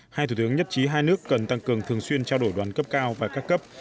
hai thủ tướng nhất trí hai nước cần tăng cường thường xuyên trao đổi đoàn cấp cao và các cấp